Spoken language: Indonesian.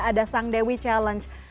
ada sang dewi challenge